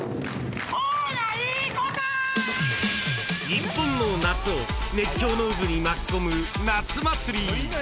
［日本の夏を熱狂の渦に巻き込む夏祭り］